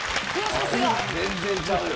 全然ちゃうよ。